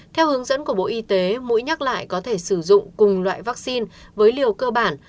theo hướng dẫn của bộ y tế mũi nhác lại có thể sử dụng cùng loại vaccine với liều cơ bản